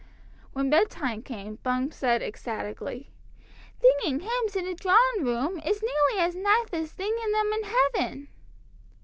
When bedtime came Bumps said ecstatically, "Thinging hymns in the drawn room is nearly as nithe as thinging them in heaven!"